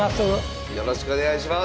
よろしくお願いします。